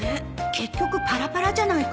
結局パラパラじゃないか